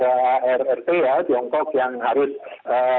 siapa pun bisa berkunjung ke iran mungkin ada warga negara rrt ya